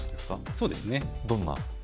そうですねどんな？